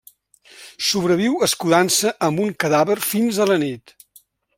Sobreviu escudant-se amb un cadàver fins a la nit.